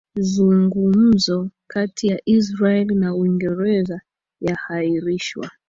zungumzo kati ya israel na uingereza ya ahirishwa